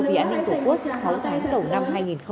vì an ninh tổ quốc sáu tháng đầu năm hai nghìn hai mươi bốn